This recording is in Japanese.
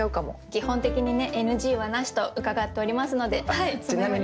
基本的にねＮＧはなしと伺っておりますので。